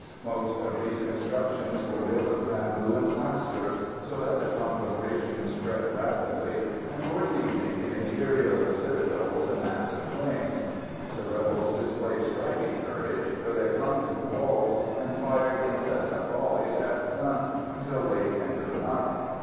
Most of these constructions were built of bamboo and plaster, so that the conflagration spread rapidly; and towards evening the interior of the citadel was a mass of flames. The rebels displayed striking courage, for they clung to the walls, and fired incessant volleys at the guns until late into the night.